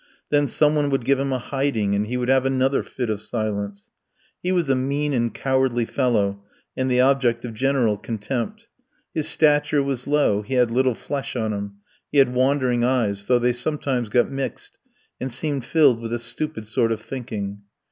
Then some one would give him a hiding, and he would have another fit of silence. He was a mean and cowardly fellow, and the object of general contempt. His stature was low, he had little flesh on him, he had wandering eyes, though they sometimes got mixed and seemed filled with a stupid sort of thinking.